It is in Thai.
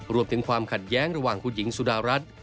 ความขัดแย้งระหว่างคุณหญิงสุดารัฐ